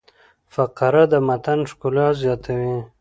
فقره د متن ښکلا زیاتوي.